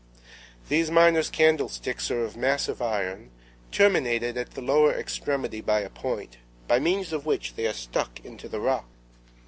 These miners' candlesticks are of massive iron, terminated at the lower extremity by a point, by means of which they are stuck into the rock.